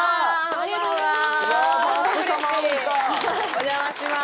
ありがとうございます。